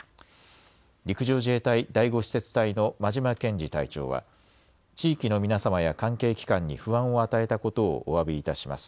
陸上自衛隊第５施設隊の間島健司隊長は地域の皆様や関係機関に不安を与えたことをおわびいたします。